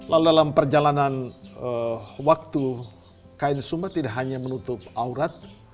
lalu dalam perjalanan waktu kain sumba tidak hanya menutup aurat